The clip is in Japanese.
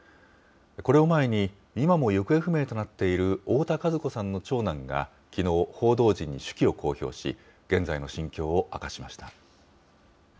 これを前に、今も行方不明となっている太田和子さんの長男がきのう、報道陣に手記を公表し、現在の心境を明かしました。